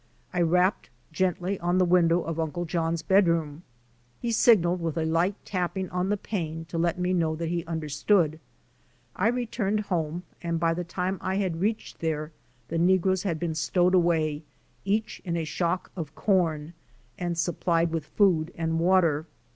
I rapped gently on the window of Uncle John's bedroom. He signalled with a light tapping on the pane to let me know that he understood. I returned home, and by the time I had reached there the negroes had been stowed away, each in a shock of corn, and supplied with food and water.